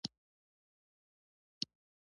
انتحابی هوازی او غیر هوازی بکټریاوې بلل کیږي.